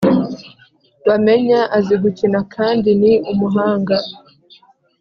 Bamenya azigukina kndi ni umuhanga